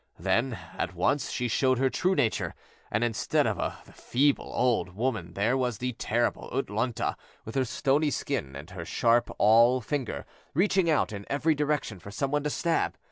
Then, at once, she showed her true nature, and instead of the feeble old woman there was the terrible U'tlûñ'ta with her stony skin, and her sharp awl finger reaching out in every direction for some one to stab.